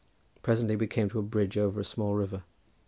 Presently we came to a bridge over a small river.